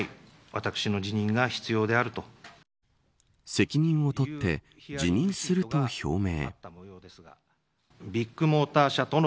責任を取って辞任すると表明。